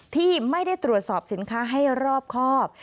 ที่ไม่ได้ตรวจสอบสินค้าให้รอบครอบ